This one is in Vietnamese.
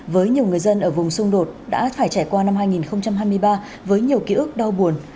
với nhiều người dân ở vùng xung đột đã phải trải qua năm hai nghìn hai mươi ba với nhiều ký ức đau buồn